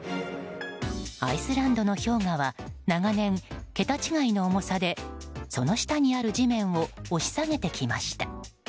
アイスランドの氷河は長年、桁違いの重さでその下にある地面を押し下げてきました。